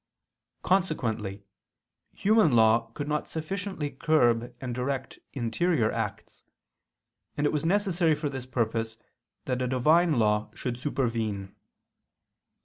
Consequently human law could not sufficiently curb and direct interior acts; and it was necessary for this purpose that a Divine law should supervene.